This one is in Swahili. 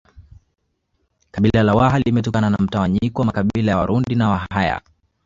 Kabila la Waha limetokana na mtawanyiko wa makabila ya Warundi na Wahaya